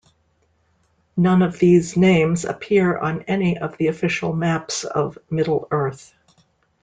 None of these names appear on any of the official maps of Middle-earth.